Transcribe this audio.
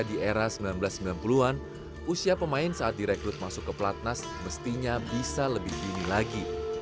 di era seribu sembilan ratus sembilan puluh an usia pemain saat direkrut masuk ke pelatnas mestinya bisa lebih dini lagi